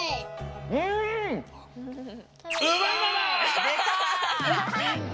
うん！でた！